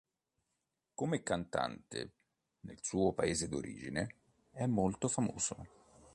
Come cantante, nel suo paese d'origine, è molto famoso.